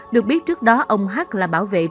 được biết trước đó ông h là bảo vệ trường học